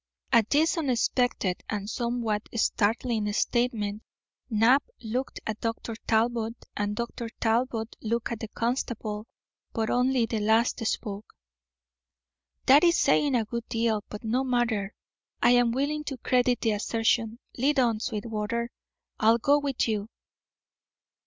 At this unexpected and somewhat startling statement Knapp looked at Dr. Talbot and Dr. Talbot looked at the constable, but only the last spoke. "That is saying a good deal. But no matter. I am willing to credit the assertion. Lead on, Sweetwater; I'll go with you."